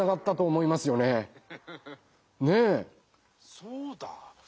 そうだ。